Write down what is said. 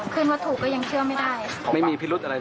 คืนวัตถุก็ยังเชื่อไม่ได้ไม่มีพิรุธอะไรเลยอืมไม่มีพิรุธอะไรเลย